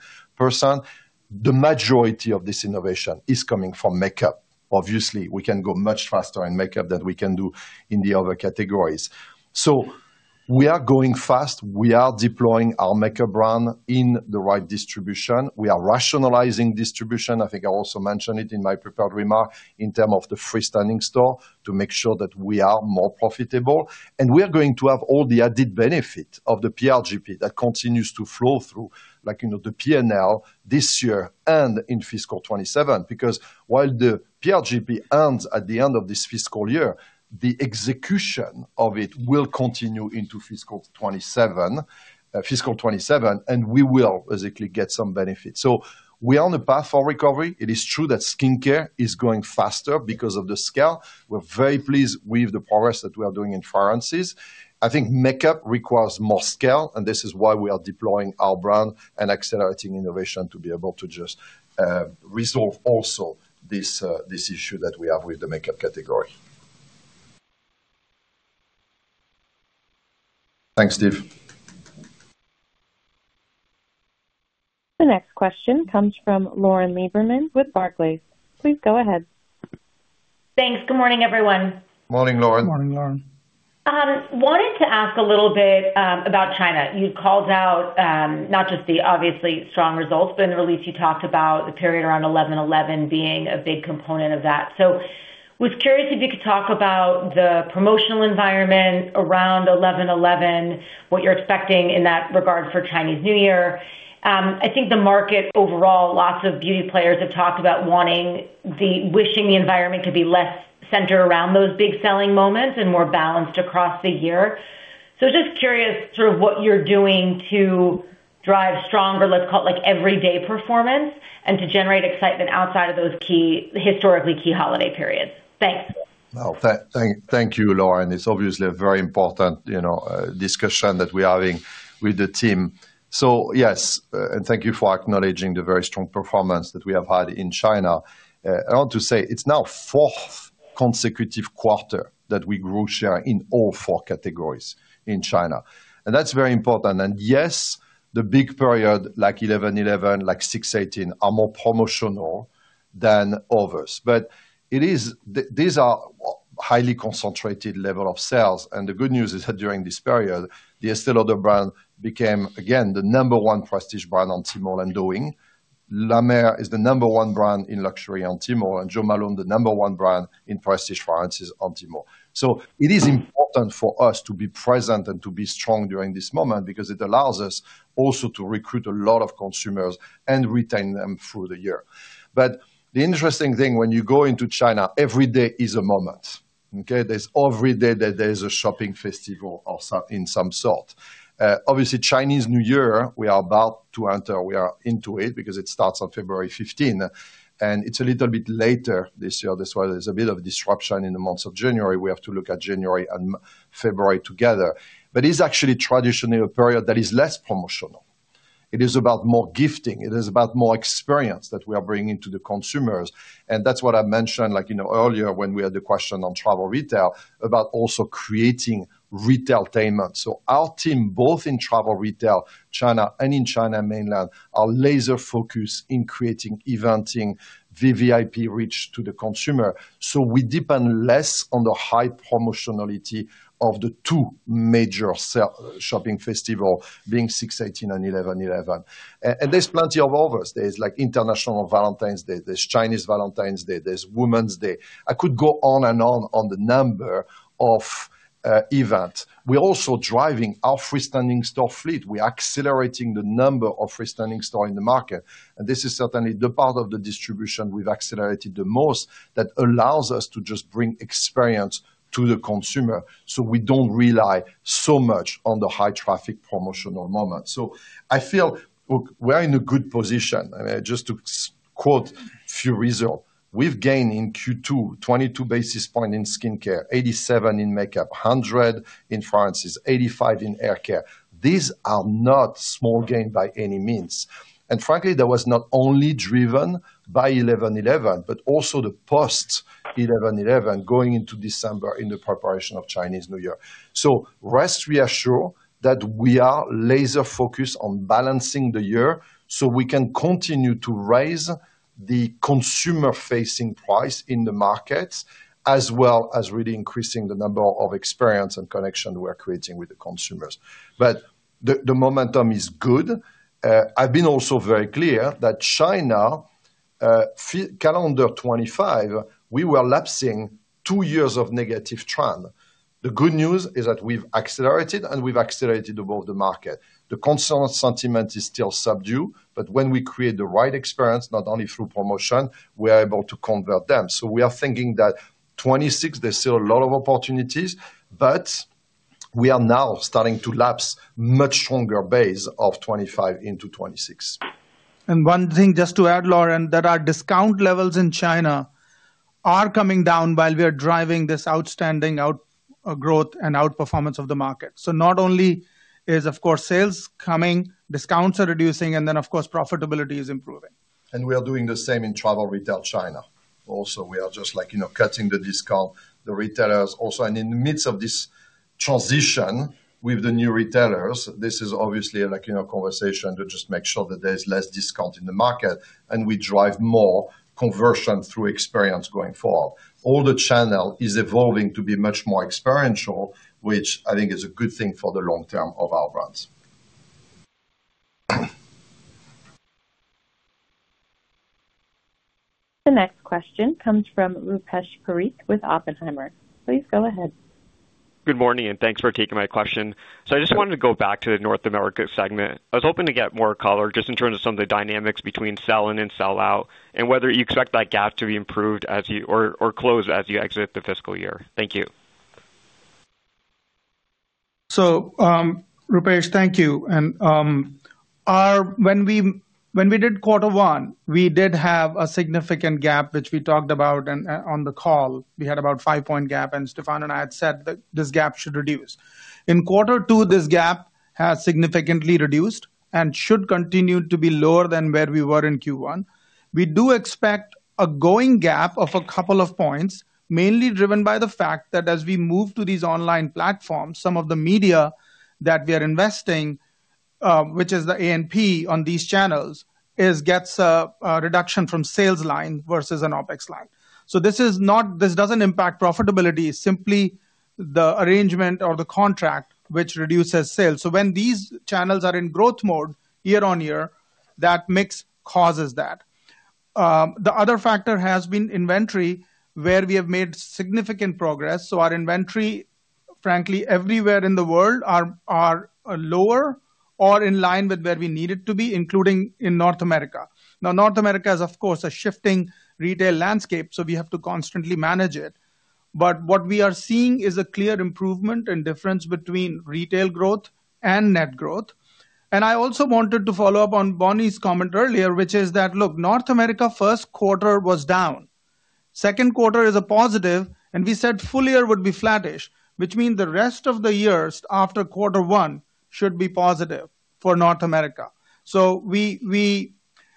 The majority of this innovation is coming from makeup. Obviously, we can go much faster in makeup than we can do in the other categories. So we are going fast. We are deploying our makeup brand in the right distribution. We are rationalizing distribution. I think I also mentioned it in my prepared remarks, in terms of the freestanding store, to make sure that we are more profitable. We are going to have all the added benefit of the PRGP that continues to flow through, like, you know, the P&L this year and in fiscal 2027. Because while the PRGP ends at the end of this fiscal year, the execution of it will continue into fiscal 2027, fiscal 2027, and we will basically get some benefits. We are on the path for recovery. It is true that skincare is growing faster because of the scale. We're very pleased with the progress that we are doing in fragrances. I think makeup requires more scale, and this is why we are deploying our brand and accelerating innovation to be able to just resolve also this issue that we have with the makeup category. Thanks, Steve. The next question comes from Lauren Lieberman with Barclays. Please go ahead. Thanks. Good morning, everyone. Morning, Lauren. Morning, Lauren. Wanted to ask a little bit, about China. You called out, not just the obviously strong results, but in the release, you talked about the period around 11.11 being a big component of that. So was curious if you could talk about the promotional environment around 11.11, what you're expecting in that regard for Chinese New Year. I think the market overall, lots of beauty players have talked about wanting the... Wishing the environment to be less centered around those big selling moments and more balanced across the year. So just curious, sort of what you're doing to drive stronger, let's call it, like, everyday performance, and to generate excitement outside of those key, historically key holiday periods. Thanks. Well, thank you, Lauren. It's obviously a very important, you know, discussion that we're having with the team. So yes, and thank you for acknowledging the very strong performance that we have had in China. I want to say it's now the fourth consecutive quarter that we grew share in all four categories in China, and that's very important. And yes, the big period, like 11.11, like 6.18, are more promotional than others. But it is the these are highly concentrated level of sales, and the good news is that during this period, the Estée Lauder brand became, again, the number one prestige brand on Tmall and Douyin. La Mer is the number one brand in luxury on Tmall, and Jo Malone, the number one brand in prestige fragrances on Tmall. So it is important for us to be present and to be strong during this moment because it allows us also to recruit a lot of consumers and retain them through the year. But the interesting thing, when you go into China, every day is a moment, okay? There's every day that there is a shopping festival of some, in some sort. Obviously, Chinese New Year, we are about to enter, we are into it because it starts on February 15, and it's a little bit later this year. That's why there's a bit of disruption in the months of January. We have to look at January and February together. But it's actually traditionally a period that is less promotional. It is about more gifting. It is about more experience that we are bringing to the consumers. And that's what I mentioned, like, you know, earlier when we had the question on travel retail, about also creating retailtainment. So our team, both in travel retail, China, and in China mainland, are laser focused in creating, eventing, VVIP reach to the consumer. So we depend less on the high promotionality of the two major shopping festival being 6.18 and 11.11. And there's plenty of others. There's, like, International Valentine's Day, there's Chinese Valentine's Day, there's Women's Day. I could go on and on on the number of events. We're also driving our freestanding store fleet. We are accelerating the number of freestanding store in the market, and this is certainly the part of the distribution we've accelerated the most that allows us to just bring experience to the consumer, so we don't rely so much on the high traffic promotional moment. So I feel, look, we're in a good position. I mean, just to quote few result, we've gained in Q2, 22 basis point in skincare, 87 in makeup, 100 in fragrances, 85 in hair care. These are not small gain by any means. And frankly, that was not only driven by 11.11, but also the post-11.11, going into December in the preparation of Chinese New Year. So rest assured that we are laser focused on balancing the year, so we can continue to raise the consumer-facing spend in the markets, as well as really increasing the number of experience and connection we're creating with the consumers. But the momentum is good. I've been also very clear that China, calendar 2025, we were lapsing two years of negative trend. The good news is that we've accelerated, and we've accelerated above the market. The consumer sentiment is still subdued, but when we create the right experience, not only through promotion, we are able to convert them. So we are thinking that 2026, there's still a lot of opportunities, but we are now starting to lap much stronger base of 2025 into 2026. One thing just to add, Lauren, that our discount levels in China are coming down while we are driving this outstanding growth and outperformance of the market. So not only is, of course, sales coming, discounts are reducing, and then, of course, profitability is improving. We are doing the same in Travel Retail China. Also, we are just, like, you know, cutting the discount, the retailers also... In the midst of this transition with the new retailers, this is obviously, like, you know, a conversation to just make sure that there's less discount in the market, and we drive more conversion through experience going forward. All the channel is evolving to be much more experiential, which I think is a good thing for the long term of our brands. The next question comes from Rupesh Parikh with Oppenheimer. Please go ahead. Good morning, and thanks for taking my question. So I just wanted to go back to the North America segment. I was hoping to get more color just in terms of some of the dynamics between sell-in and sell-out, and whether you expect that gap to be improved as you or closed as you exit the fiscal year. Thank you. So, Rupesh, thank you. And our—when we, when we did quarter one, we did have a significant gap, which we talked about on, on the call. We had about 5-point gap, and Stéphane and I had said that this gap should reduce. In quarter two, this gap has significantly reduced and should continue to be lower than where we were in Q1. We do expect a going gap of a couple of points, mainly driven by the fact that as we move to these online platforms, some of the media that we are investing, which is the A&P on these channels, it gets a reduction from sales line versus an OpEx line. So this is not—this doesn't impact profitability, it's simply the arrangement or the contract, which reduces sales. So when these channels are in growth mode year-on-year, that mix causes that. The other factor has been inventory, where we have made significant progress. So our inventory, frankly, everywhere in the world, are lower or in line with where we need it to be, including in North America. Now, North America is, of course, a shifting retail landscape, so we have to constantly manage it. But what we are seeing is a clear improvement and difference between retail growth and net growth. And I also wanted to follow up on Bonnie's comment earlier, which is that, look, North America first quarter was down. Second quarter is a positive, and we said full year would be flattish, which means the rest of the years after quarter one should be positive for North America. So we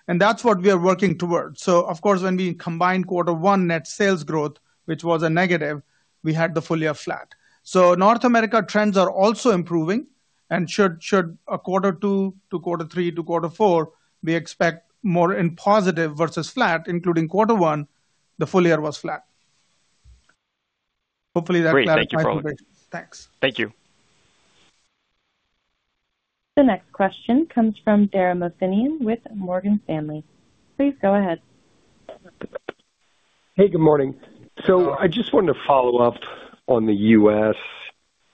and that's what we are working towards. So, of course, when we combine quarter one net sales growth, which was a negative, we had the full year flat. North America trends are also improving and should a quarter two to quarter three to quarter four, we expect more in positive versus flat, including quarter one, the full year was flat. Hopefully, that clarified things. Great, thank you, Parikh. Thanks. Thank you. The next question comes from Dara Mohsenian with Morgan Stanley. Please go ahead. Hey, good morning. So I just wanted to follow up on the U.S.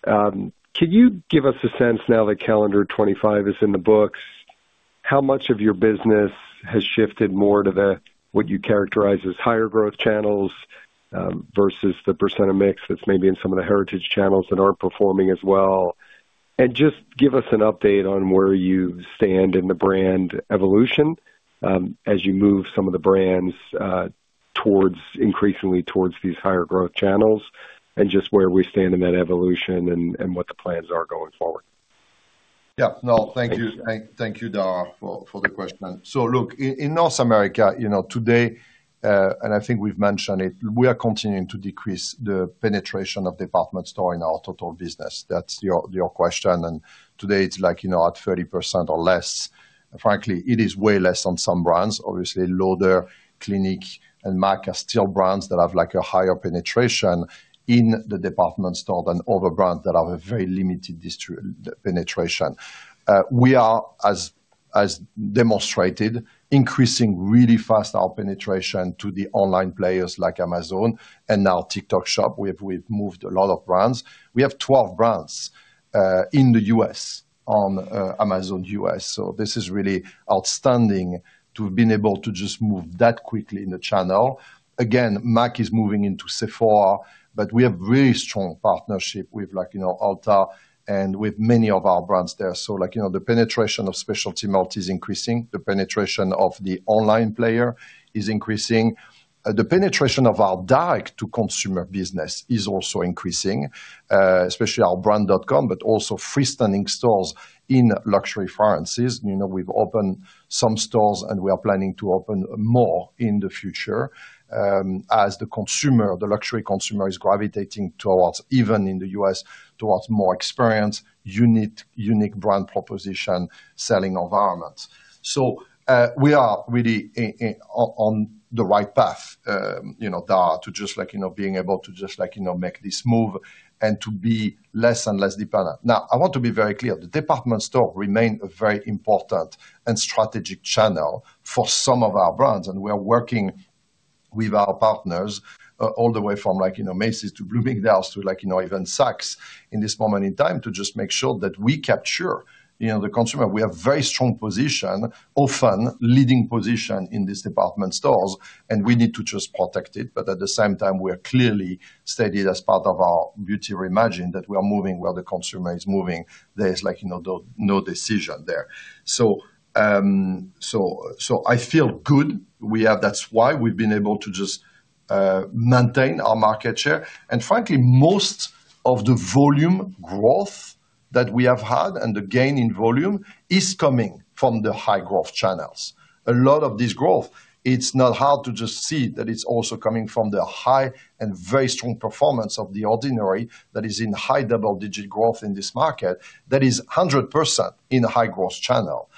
Can you give us a sense now that calendar 2025 is in the books, how much of your business has shifted more to the, what you characterize as higher growth channels, versus the % of mix that's maybe in some of the heritage channels that aren't performing as well? And just give us an update on where you stand in the brand evolution, as you move some of the brands, towards, increasingly towards these higher growth channels, and just where we stand in that evolution and, and what the plans are going forward. Yeah. No, thank you. Thank, thank you, Dara, for, for the question. So look, in North America, you know, today, and I think we've mentioned it, we are continuing to decrease the penetration of department store in our total business. That's your, your question, and today it's like, you know, at 30% or less. Frankly, it is way less on some brands. Obviously, Lauder, Clinique and MAC are still brands that have, like, a higher penetration in the department store than other brands that have a very limited penetration. We are, as, as demonstrated, increasing really fast our penetration to the online players like Amazon and now TikTok Shop. We've, we've moved a lot of brands. We have 12 brands, in the U.S., on, Amazon U.S., so this is really outstanding to have been able to just move that quickly in the channel. Again, MAC is moving into Sephora, but we have really strong partnership with, like, you know, Ulta and with many of our brands there. So like, you know, the penetration of specialty multi is increasing, the penetration of the online player is increasing. The penetration of our direct-to-consumer business is also increasing, especially our brand.com, but also freestanding stores in luxury fragrances. You know, we've opened some stores, and we are planning to open more in the future, as the consumer, the luxury consumer, is gravitating towards, even in the U.S., towards more experience, unique, unique brand proposition, selling environment. So, we are really on the right path, you know, Dara, to just like, you know, being able to just, like, you know, make this move and to be less and less dependent. Now, I want to be very clear, the department store remain a very important and strategic channel for some of our brands, and we are working with our partners all the way from, like, you know, Macy's to Bloomingdale's to, like, you know, even Saks, in this moment in time, to just make sure that we capture, you know, the consumer. We have very strong position, often leading position in these department stores, and we need to just protect it. But at the same time, we are clearly stated as part of our Beauty Reimagined, that we are moving where the consumer is moving. There is, like, you know, no, no decision there. So, so, so I feel good. We have... That's why we've been able to just maintain our market share. Frankly, most of the volume growth that we have had and the gain in volume is coming from the high growth channels. A lot of this growth, it's not hard to just see that it's also coming from the high and very strong performance of The Ordinary, that is in high double-digit growth in this market. That is 100% in a high-growth channel.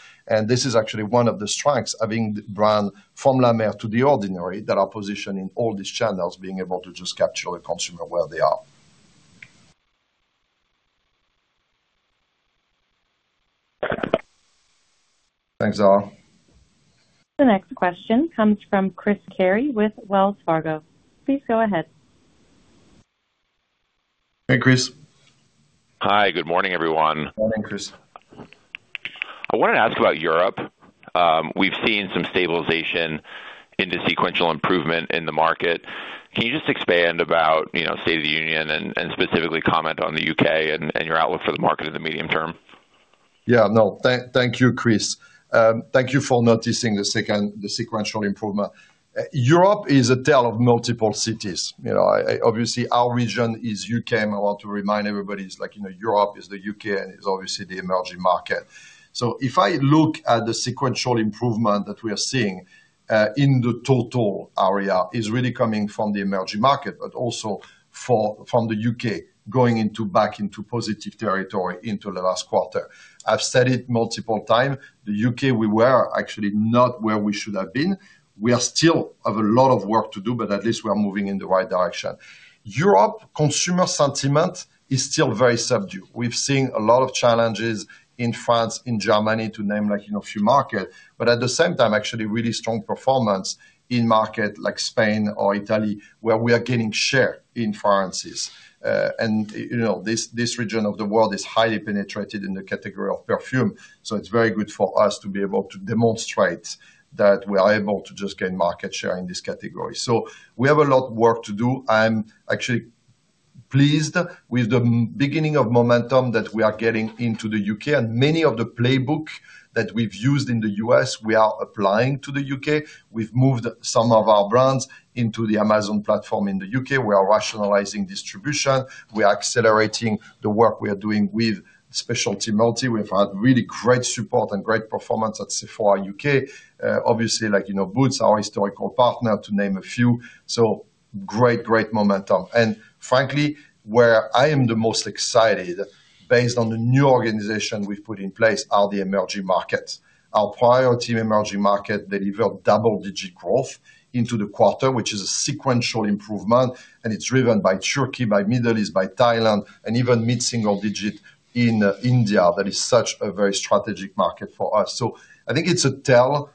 This is actually one of the strengths of being the brand from La Mer to The Ordinary, that are positioned in all these channels, being able to just capture the consumer where they are. Thanks, Dara. The next question comes from Chris Carey with Wells Fargo. Please go ahead. Hey, Chris. Hi, good morning, everyone. Morning, Chris. I wanted to ask about Europe. We've seen some stabilization into sequential improvement in the market. Can you just expand about, you know, state of the union and specifically comment on the U.K. and your outlook for the market in the medium term? Yeah, no. Thank, thank you, Chris. Thank you for noticing the second the sequential improvement. Europe is a tale of multiple cities. You know, obviously, our region is U.K., and I want to remind everybody, it's like, you know, Europe is the U.K. and is obviously the emerging market. So if I look at the sequential improvement that we are seeing in the total area, is really coming from the emerging market, but also from the U.K., going into, back into positive territory into the last quarter. I've said it multiple times, the U.K., we were actually not where we should have been. We are still have a lot of work to do, but at least we are moving in the right direction. Europe, consumer sentiment is still very subdued. We've seen a lot of challenges in France, in Germany, to name, like, you know, a few markets, but at the same time, actually really strong performance in markets like Spain or Italy, where we are gaining share in fragrances. And, you know, this, this region of the world is highly penetrated in the category of perfume, so it's very good for us to be able to demonstrate that we are able to just gain market share in this category. So we have a lot of work to do. I'm actually pleased with the beginning of momentum that we are getting into the U.K., and many of the playbooks that we've used in the U.S., we are applying to the U.K. We've moved some of our brands into the Amazon platform in the U.K. We are rationalizing distribution. We are accelerating the work we are doing with specialty multi. We've had really great support and great performance at Sephora U.K. Obviously, like, you know, Boots, our historical partner, to name a few. So great, great momentum. And frankly, where I am the most excited, based on the new organization we've put in place, are the emerging markets. Our priority emerging market, they developed double-digit growth into the quarter, which is a sequential improvement, and it's driven by Turkey, by Middle East, by Thailand, and even mid-single digit in India. That is such a very strategic market for us. So I think it's a tale,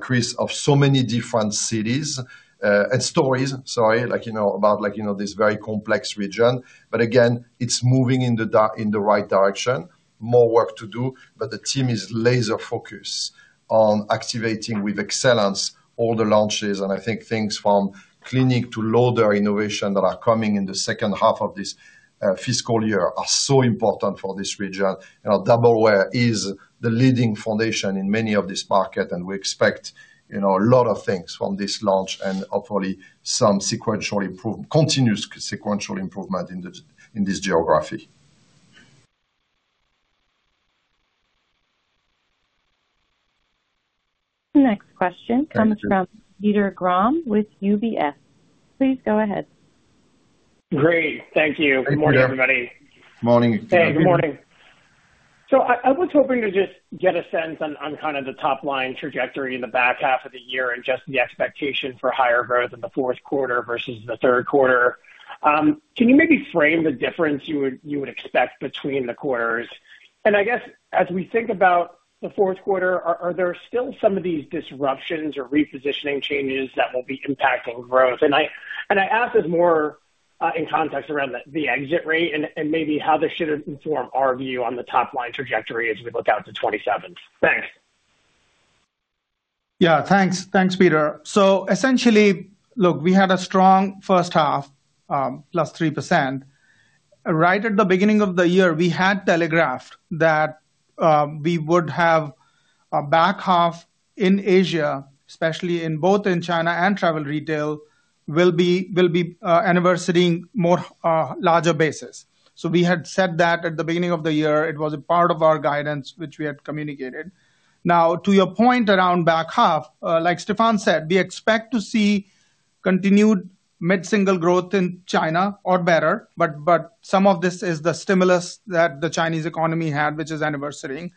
Chris, of so many different cities and stories, sorry, like, you know, about, like, you know, this very complex region. But again, it's moving in the right direction. More work to do, but the team is laser-focused on activating with excellence all the launches, and I think things from Clinique to Lauder innovation that are coming in the second half of this fiscal year are so important for this region. You know, Double Wear is the leading foundation in many of this market, and we expect, you know, a lot of things from this launch and hopefully some continuous sequential improvement in this, in this geography. Next question comes from Peter Grom with UBS. Please go ahead. Great, thank you. Good morning, everybody. Morning. Hey, good morning. So I was hoping to just get a sense on kind of the top line trajectory in the back half of the year and just the expectation for higher growth in the fourth quarter versus the third quarter. Can you maybe frame the difference you would expect between the quarters? And I guess, as we think about the fourth quarter, are there still some of these disruptions or repositioning changes that will be impacting growth? And I ask this more in context around the exit rate and maybe how this should inform our view on the top line trajectory as we look out to 2027. Thanks. Yeah, thanks. Thanks, Peter. So essentially, look, we had a strong first half, +3%. Right at the beginning of the year, we had telegraphed that we would have a back half in Asia, especially in both in China and travel retail, will be anniversarying a larger basis. So we had said that at the beginning of the year, it was a part of our guidance, which we had communicated. Now, to your point around back half, like Stéphane said, we expect to see continued mid-single growth in China or better, but some of this is the stimulus that the Chinese economy had, which is anniversarying.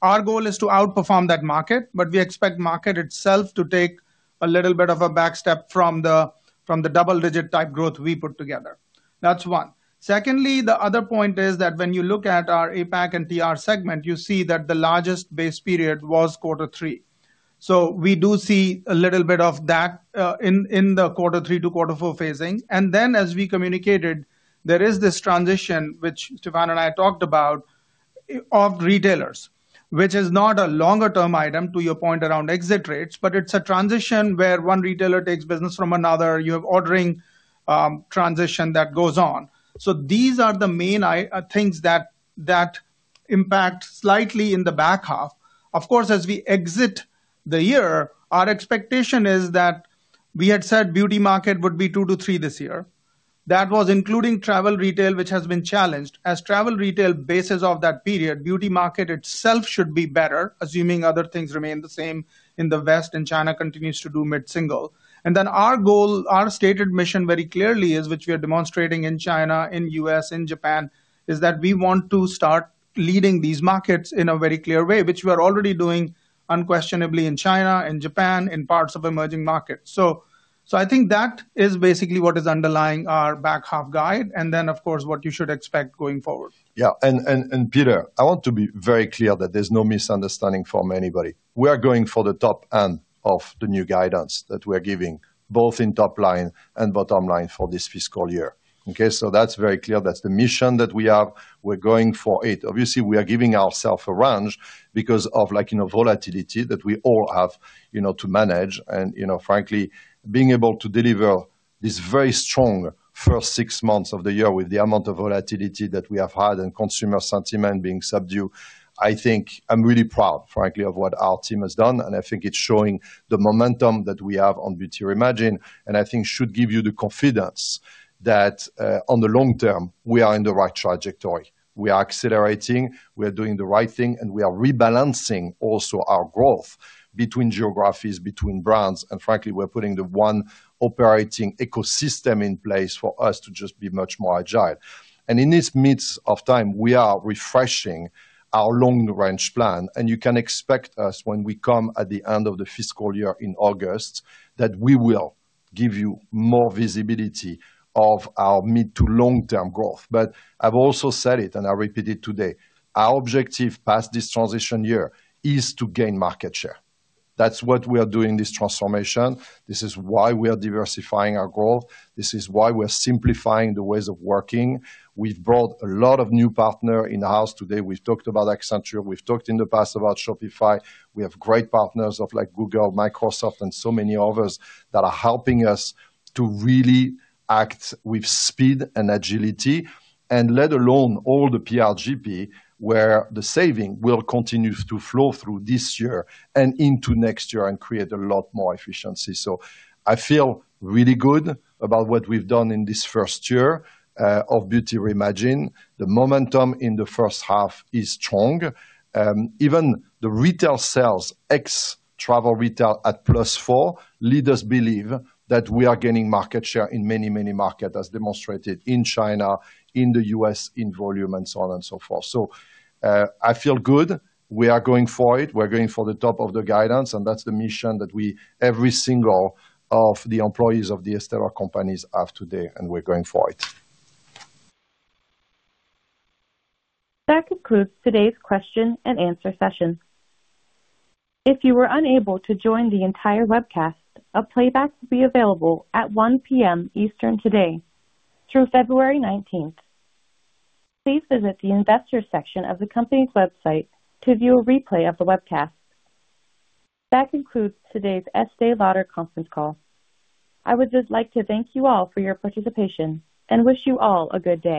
Our goal is to outperform that market, but we expect market itself to take a little bit of a backstep from the double-digit type growth we put together. That's one. Secondly, the other point is that when you look at our APAC and TR segment, you see that the largest base period was quarter three. So we do see a little bit of that in the quarter three to quarter four phasing. And then, as we communicated, there is this transition, which Stéphane and I talked about, of retailers, which is not a longer-term item, to your point around exit rates, but it's a transition where one retailer takes business from another. You have ordering transition that goes on. So these are the main things that impact slightly in the back half. Of course, as we exit the year, our expectation is that we had said beauty market would be 2-3 this year. That was including travel retail, which has been challenged. As travel retail bases of that period, beauty market itself should be better, assuming other things remain the same in the West, and China continues to do mid-single. And then our goal, our stated mission very clearly is, which we are demonstrating in China, in U.S., in Japan, is that we want to start leading these markets in a very clear way, which we are already doing unquestionably in China, in Japan, in parts of emerging markets. So, so I think that is basically what is underlying our back half guide, and then, of course, what you should expect going forward. Yeah, Peter, I want to be very clear that there's no misunderstanding from anybody. We are going for the top end of the new guidance that we are giving, both in top line and bottom line for this fiscal year, okay? So that's very clear. That's the mission that we have. We're going for it. Obviously, we are giving ourselves a range because of, like, you know, volatility that we all have, you know, to manage, and, you know, frankly, being able to deliver this very strong first six months of the year with the amount of volatility that we have had and consumer sentiment being subdued, I think I'm really proud, frankly, of what our team has done, and I think it's showing the momentum that we have on Beauty Reimagined, and I think should give you the confidence that, on the long term, we are in the right trajectory. We are accelerating, we are doing the right thing, and we are rebalancing also our growth between geographies, between brands, and frankly, we're putting the one operating ecosystem in place for us to just be much more agile. In the midst of this time, we are refreshing our long-range plan, and you can expect us, when we come at the end of the fiscal year in August, that we will give you more visibility of our mid- to long-term growth. I've also said it, and I'll repeat it today: our objective past this transition year is to gain market share. That's what we are doing, this transformation. This is why we are diversifying our growth. This is why we're simplifying the ways of working. We've brought a lot of new partner in the house today. We've talked about Accenture. We've talked in the past about Shopify. We have great partners like Google, Microsoft, and so many others that are helping us to really act with speed and agility, and let alone all the PRGP, where the savings will continue to flow through this year and into next year and create a lot more efficiency. So I feel really good about what we've done in this first year of Beauty Reimagined. The momentum in the first half is strong. Even the retail sales, ex travel retail at +4%, lead us to believe that we are gaining market share in many, many markets, as demonstrated in China, in the U.S., in volume, and so on and so forth. So, I feel good. We are going for it. We're going for the top of the guidance, and that's the mission that we, every single of the employees of the Estée Lauder Companies, have today, and we're going for it. That concludes today's question and answer session. If you were unable to join the entire webcast, a playback will be available at 1:00 P.M. Eastern today through February 19th. Please visit the investors section of the company's website to view a replay of the webcast. That concludes today's Estée Lauder conference call. I would just like to thank you all for your participation, and wish you all a good day.